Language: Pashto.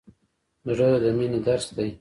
زړه د مینې درس دی.